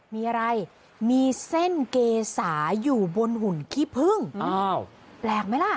มีอะไรมีเส้นเกษาอยู่บนหุ่นขี้พึ่งอ้าวแปลกไหมล่ะ